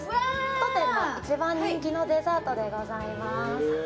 当店の一番人気のデザートでございます